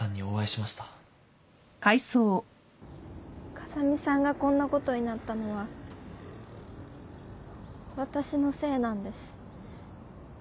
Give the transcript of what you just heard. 風見さんがこんなことになったのは私のせいなんです